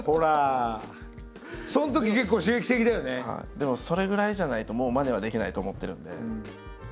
でもそれぐらいじゃないともうまねはできないと思ってるんで。